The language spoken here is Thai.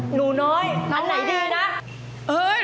หนูน้อยอันไหนดีนะ